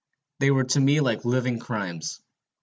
They were to me like living crimes.